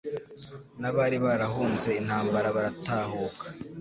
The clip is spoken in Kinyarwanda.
n'abari barahunze intambara baratahuka,